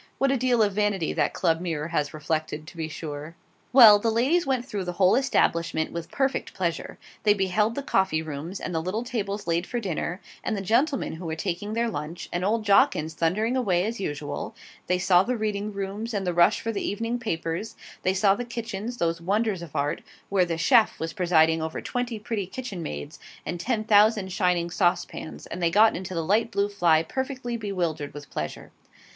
What a deal of vanity that Club mirror has reflected, to be sure! Well, the ladies went through the whole establishment with perfect pleasure. They beheld the coffee rooms, and the little tables laid for dinner, and the gentlemen who were taking their lunch, and old Jawkins thundering away as usual; they saw the reading rooms, and the rush for the evening papers; they saw the kitchens those wonders of art where the CHEF was presiding over twenty pretty kitchen maids, and ten thousand shining saucepans: and they got into the light blue fly perfectly bewildered with pleasure.